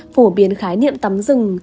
phổ biến khái niệm tắm rừng